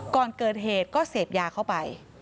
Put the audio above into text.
ก่อนเกิดเหตุก็เสพยาเข้าไป